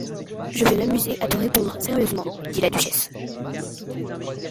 Je vais m’amuser à te répondre sérieusement, dit la duchesse.